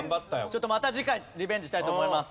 ちょっとまた次回リベンジしたいと思います。